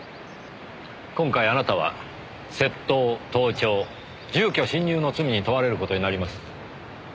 今回あなたは窃盗盗聴住居侵入の罪に問われる事になります。